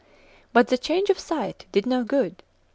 But the change of site did no good.